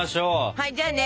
はいじゃあね